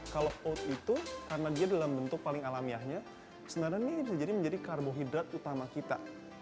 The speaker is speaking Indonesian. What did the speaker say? kalau oat itu karena dia dalam bentuk paling alamiahnya sebenarnya ini bisa jadi menjadi karbohidrat utama kita